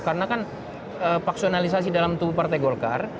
karena kan paksionalisasi dalam tubuh partai golkar